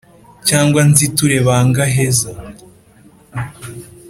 cyangwa nziture bangaheza